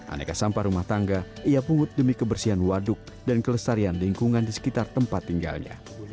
aneka sampah rumah tangga ia pungut demi kebersihan waduk dan kelestarian lingkungan di sekitar tempat tinggalnya